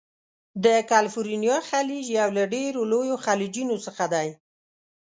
د کلفورنیا خلیج یو له ډیرو لویو خلیجونو څخه دی.